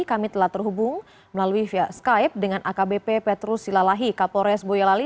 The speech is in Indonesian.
kami telah terhubung melalui via skype dengan akbp petrus silalahi kapolres boyolali